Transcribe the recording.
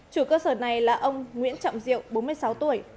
chủ cơ sở này là ông nguyễn trọng diệu bốn mươi sáu tuổi